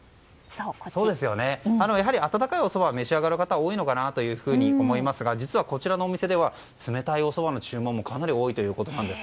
やはり温かいおそばを召し上がる人が多いのかと思いますが、こちらのお店では冷たいおそばの注文も多いということです。